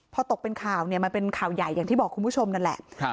พอตกเป็นข่าวเนี่ยมันเป็นข่าวใหญ่อย่างที่บอกคุณผู้ชมนั่นแหละ